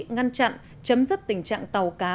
ngăn chặn chấm dứt tình trạng tàu cá